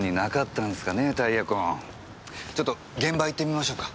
ちょっと現場へ行ってみましょうか。